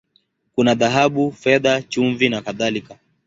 Kuna dhahabu, fedha, chumvi, na kadhalika.